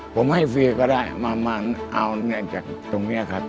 ผมให้ฟรีก็ได้มาเอาเงินจากตรงนี้ครับ